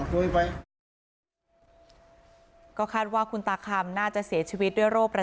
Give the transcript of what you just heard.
ด้วยโรปประจักรที่รอยไปถึงโตไม่ได้ครับ